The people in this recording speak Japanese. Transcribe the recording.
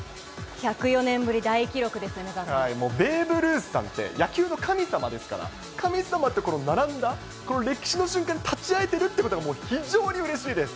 １０４年ぶり大記録ですよ、もう、ベーブ・ルースさんって、野球の神様ですから、神様と並んだ、この歴史の瞬間に立ち会えてるってことが、非常にうれしいです。